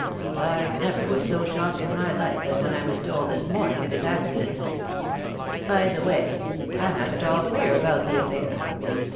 I never was so shocked in my life as when I was told this morning of his accident By the way, I am not at all clear about the affair.